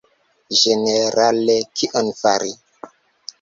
Ĝenerale, kion fari?